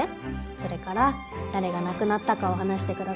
それから誰が亡くなったかを話してください。